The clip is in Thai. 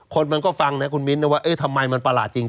คนมันก็ฟังนะคุณมิ้นนะว่าเอ๊ะทำไมมันประหลาดจริง